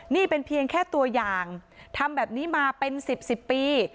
นี่เป็นเพียงแค่ตัวอย่างทำแบบนี้มาเป็น๑๐๑๐ปี